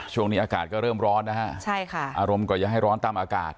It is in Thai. ช่วงนี้อากาศก็เริ่มร้อนนะฮะใช่ค่ะอารมณ์ก็อย่าให้ร้อนตามอากาศ